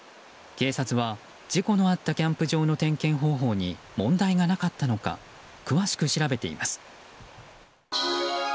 警察は、事故のあったキャンプ場の点検方法に問題がなかったのか詳しく調べています。